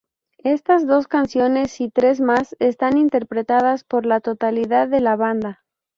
Estas dos canciones y tres más estan interpretadas por la totalidad de la banda.